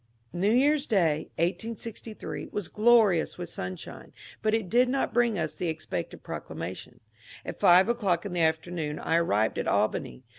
New Year's Day, 1868, was glorious with sunshine, but it did not bring us the expected proclamation. At .five o'clock in the afternoon I arrived at Albany.